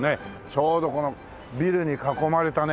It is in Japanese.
ちょうどこのビルに囲まれたね